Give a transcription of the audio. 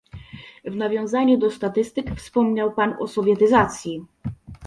W nawiązaniu do statystyk wspomniał Pan o sowietyzacji